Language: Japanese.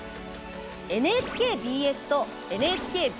ＮＨＫＢＳとＮＨＫＢＳ